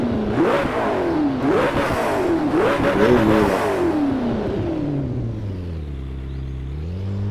Mghě ló lá'.